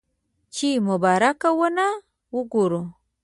چې مبارکه ونه وګورو.